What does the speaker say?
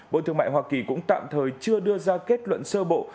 bộ thương mại hoa kỳ cũng tạm thời chưa đưa ra kết luận sơ bộ